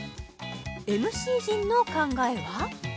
ＭＣ陣の考えは？